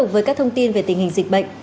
với các thông tin về tình hình dịch bệnh